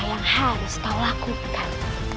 yang harus kau lakukan